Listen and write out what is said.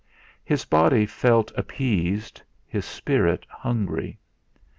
His body felt appeased, his spirit hungry.